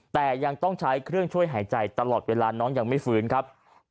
แต่ยังต้องใช้เครื่องช่วยหายใจตลอดเวลาน้องยังไม่ฟื้นครับ